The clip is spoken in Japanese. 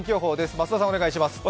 増田さん、お願いします。